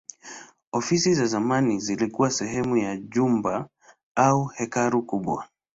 Ofisi za kale zilikuwa sehemu ya jumba au hekalu kubwa.